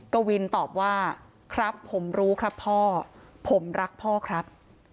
กวินตอบว่าครับผมรู้ครับพ่อผมรักพ่อครับ